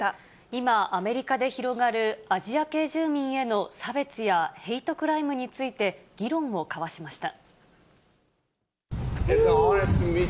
今、アメリカで広がるアジア系住民への差別やヘイトクライムについて、議論を交わしました。